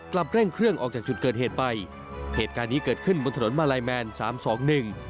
เร่งเครื่องออกจากจุดเกิดเหตุไปเหตุการณ์นี้เกิดขึ้นบนถนนมาลัยแมนสามสองหนึ่ง